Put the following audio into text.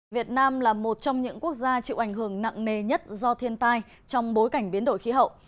việt nam là một trong những quốc gia chịu ảnh hưởng nặng nề nhất do thiên tai trong bối cảnh biến đổi khí hậu